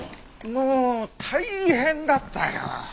もう大変だったよ。